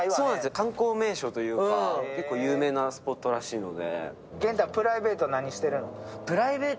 観光名所というか結構有名なスポットらしいんで。